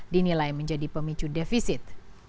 dinilai menjadi pemicu defisit